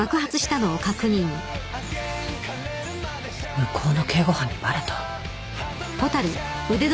向こうの警護班にバレた？